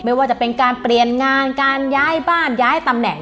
ไม่ว่าจะเป็นการเปลี่ยนงานการย้ายบ้านย้ายตำแหน่ง